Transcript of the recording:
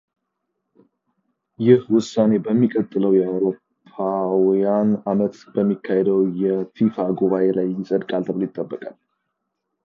ይህ ውሳኔ በሚቀጥለው የአውሮፓውያን ዓመት በሚካሄደው የፊፋ ጉባኤ ላይ ይጸድቃል ተብሎ ይጠበቃል